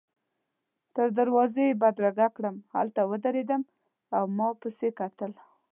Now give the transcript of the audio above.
تر دروازې يې بدرګه کړم، هلته ودرېدل او ما پسي کتل.